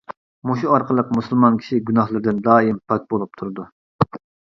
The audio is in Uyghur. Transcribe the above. مۇشۇ ئارقىلىق مۇسۇلمان كىشى گۇناھلىرىدىن دائىم پاك بولۇپ تۇرىدۇ.